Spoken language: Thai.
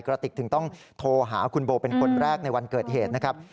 กระติกถึงต้องโทรหาคุณโบเป็นคนแรกในวันเกิดเหตุนะครับ